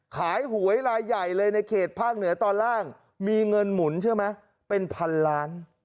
ขายหวยลายใหญ่เลยในเขตภาคเหนือตอนล่างมีเงินหมุนเป็น๑๐๐๐ล้าน